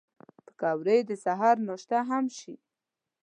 پکورې د سهر ناشته هم شي